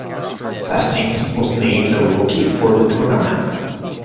Hastings was named Rookie of the Tournament.